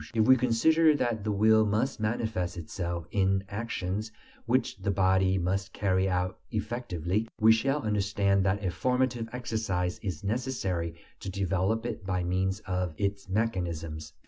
If we consider that the will must manifest itself in actions which the body must carry out effectively, we shall understand that a formative exercise is necessary to develop it by means of its mechanisms.